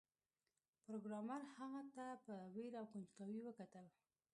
پروګرامر هغه ته په ویره او کنجکاوی وکتل